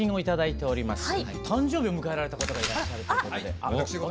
誕生日を迎えられた方がいらっしゃるということで。